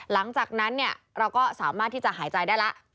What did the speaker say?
หลังจากนั้นเราก็สามารถที่จะหายใจได้แล้ว